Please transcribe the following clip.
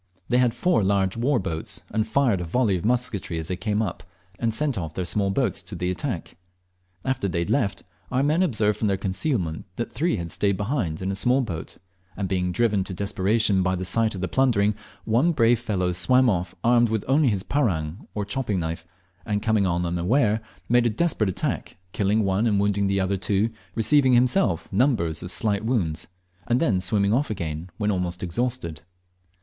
They had four large war boats, and fired a volley of musketry as they came up, and sent off their small boats to the attack. After they had left, our men observed from their concealment that three had stayed behind with a small boat; and being driven to desperation by the sight of the plundering, one brave fellow swam off armed only with his parang, or chopping knife, and coming on them unawares made a desperate attack, killing one and wounding the other two, receiving himself numbers of slight wounds, and then swimming off again when almost exhausted.